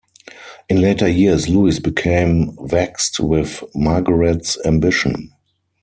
In later years Louis became vexed with Margaret's ambition.